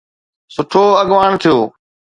سٺو اڳواڻ ٿيو.